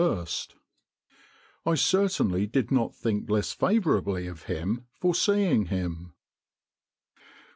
I certainly did not think less favourably of him for seeing him."